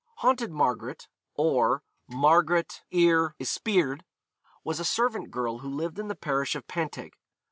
Haunted Margaret, or Marget yr Yspryd, was a servant girl who lived in the parish of Panteg.